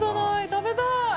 食べたーい。